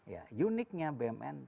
ya uniknya bmn